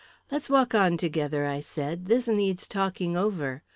"Let's walk on together," I said; "this needs talking over.